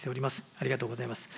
ありがとうございます。